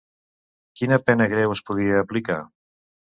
Quina pena greu es podia aplicar?